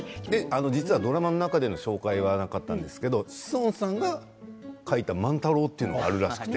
実はドラマの中での紹介はなかったんですけど志尊さんが描いた万太郎っていうのがあるらしくて。